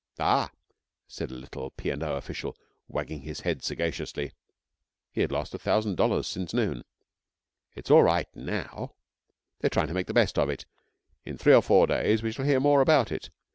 'Ah!' said a little P. and O. official, wagging his head sagaciously (he had lost a thousand dollars since noon), 'it's all right now. They're trying to make the best of it. In three or four days we shall hear more about it.